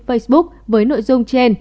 facebook với nội dung trên